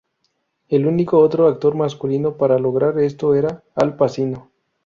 El único otro actor masculino para lograr esto era Al Pacino.